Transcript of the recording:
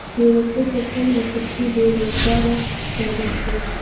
د بېوزلۍ تر څنګ له سختې بېروزګارۍ سره مخ دي